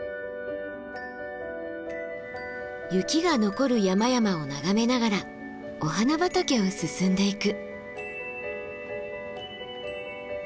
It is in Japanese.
雪が残る山々を眺めながらお花畑を進んでいく。